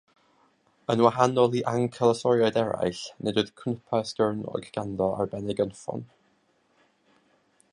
Yn wahanol i ancylosoriaid eraill, nid oedd cnwpa esgyrnog ganddo ar ben ei gynffon.